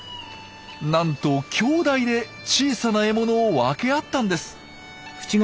なんと兄弟で小さな獲物を分け合ったんです。